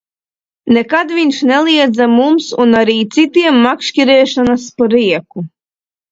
Nekad viņš neliedza mums un arī citiem makšķerēšanas prieku.